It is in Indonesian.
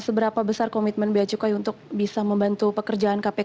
seberapa besar komitmen bacukai untuk bisa membantu pekerjaan kpk